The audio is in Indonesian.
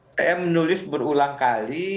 saya menulis berulang kali